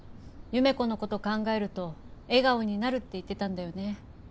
優芽子のこと考えると笑顔になるって言ってたんだよね